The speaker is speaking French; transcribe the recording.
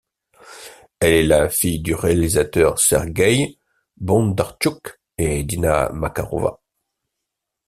Elle est la fille du réalisateur Sergueï Bondartchouk et d'Inna Makarova.